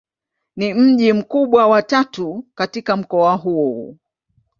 Ni mji mkubwa wa tatu katika mkoa huu.